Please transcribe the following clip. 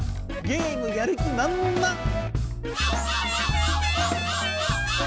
ゲームやる気まんまん！